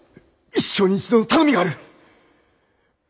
一生に一度の頼みがある！